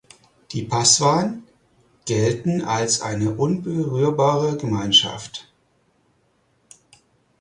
Die Paswan gelten als eine unberührbare Gemeinschaft.